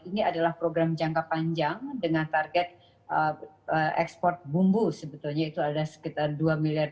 ini adalah program jangka panjang dengan target ekspor bumbu sebetulnya itu ada sekitar dua miliar